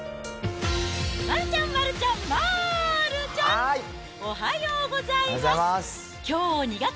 丸ちゃん、丸ちゃん、丸ちゃん、おはようございます。